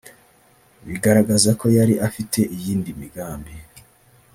bigaragaza ko yari afite iyindi migambi’’